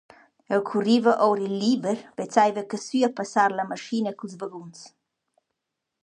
Eu curriva our il liber, vezzaiva casü a passar la maschina culs vaguns.